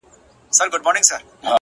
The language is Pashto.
ماته د مار خبري ډيري ښې دي!!